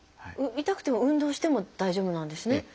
痛くても運動しても大丈夫なんですね。